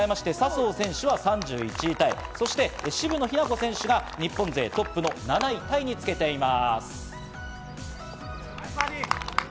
最終日を控え、笹生選手は３１位タイ、渋野日向子選手が日本勢トップの７位タイにつけています。